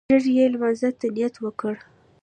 ژر يې لمانځه ته نيت وکړ.